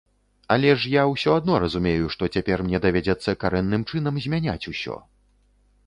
Але ж я ўсё адно разумею, што цяпер мне давядзецца карэнным чынам змяняць усё.